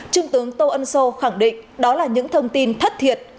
trung tướng tô ân sô khẳng định đó là những thông tin thất thiệt